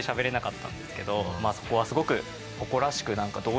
まあそこはすごく。